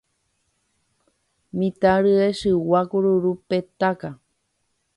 Mitã rye chigua kururu petáka